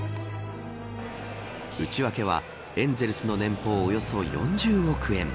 内訳はエンゼルスの年俸およそ４０億円。